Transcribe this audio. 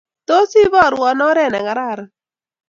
Tos iborwo oret negararan